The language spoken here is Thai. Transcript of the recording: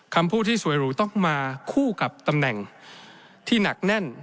คำพูดที่สวยหรูต้องมาคู่กับตำแหน่งที่หนักแน่น